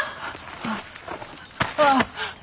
ああ。